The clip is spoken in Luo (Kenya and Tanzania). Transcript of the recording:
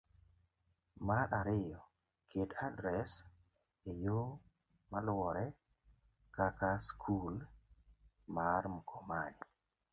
Mar ariyo, ket adres e yo maluwore, kaka: Skul mar Mkomani: